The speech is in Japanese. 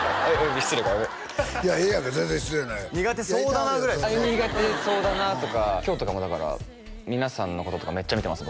失礼かやべえいやええやん全然失礼やないよ苦手そうだなぐらいあっ苦手そうだなとか今日とかもだから皆さんのこととかめっちゃ見てます